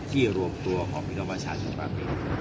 ที่รวมตัวของพี่น้องประชาชนของประเภท